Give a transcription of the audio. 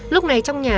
lúc này trong nhà